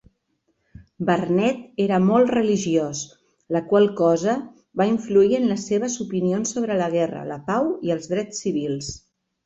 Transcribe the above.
Barnet era molt religiós, la qual cosa va influir en les seves opinions sobre la guerra, la pau i els drets civils.